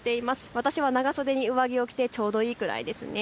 私は長袖に上着を着てちょうどいいくらいですね。